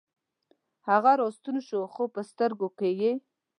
هغه راستون شو، خوپه سترګوکې یې